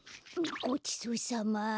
ごちそうさま。